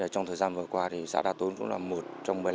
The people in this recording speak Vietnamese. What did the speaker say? trong thời gian vừa qua xã đa tốn cũng là một trong một mươi năm